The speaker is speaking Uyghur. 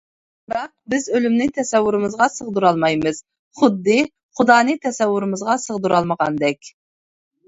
بىراق، بىز ئۆلۈمنى تەسەۋۋۇرىمىزغا سىغدۇرالمايمىز، خۇددى خۇدانى تەسەۋۋۇرىمىزغا سىغدۇرالمىغاندەك.